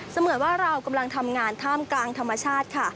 เหมือนว่าเรากำลังทำงานท่ามกลางธรรมชาติค่ะ